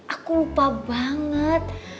aku lupa banget